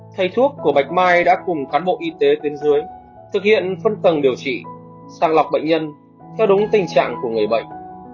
thầy thuốc của bạch mai đã cùng cán bộ y tế tuyến dưới thực hiện phân tầng điều trị sàng lọc bệnh nhân theo đúng tình trạng của người bệnh